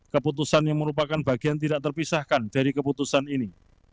keputusan yang merupakan bagian tidak terpisahkan dari keputusan ini